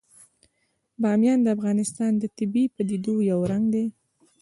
بامیان د افغانستان د طبیعي پدیدو یو رنګ دی.